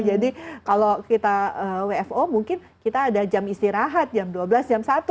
jadi kalau kita wfo mungkin kita ada jam istirahat jam dua belas jam satu